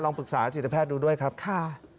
ปรึกษาจิตแพทย์ดูด้วยครับค่ะ